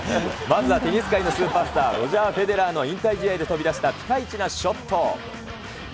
まずはテニス界のスーパースター、ロジャー・フェデラーの引退試合で飛び出したピカイチなショット。